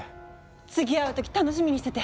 次会う時楽しみにしてて。